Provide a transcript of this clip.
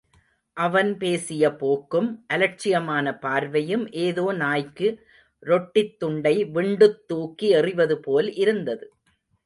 அவன் பேசிய போக்கும் அலட்சியமான பார்வையும் ஏதோ நாய்க்கு ரொட்டித் துண்டை விண்டுத் தூக்கி எறிவது போல் இருந்தது.